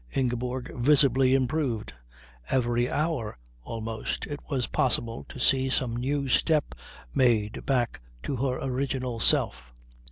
Ingeborg visibly improved; every hour almost it was possible to see some new step made back to her original self.